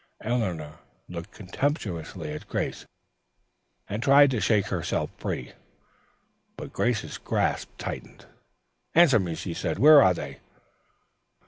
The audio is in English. Eleanor looked contemptuously at Grace and tried to shake herself free, but Grace's grasp tightened. "Answer me," she said. "Where are they?"